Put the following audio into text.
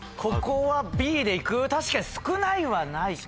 確かに少ないはないか。